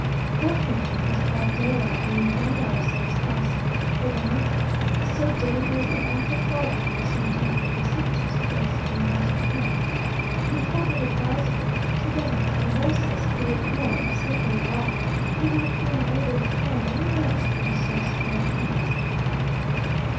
Fortunately it was bright daylight when we found ourselves crossing a barranca, so dangerous, that after following for some time the precipitous course of the mountain path, we thought it advisable to get off our horses, who were pawing the slippery rock, without being able to find any rest for the soles of their feet.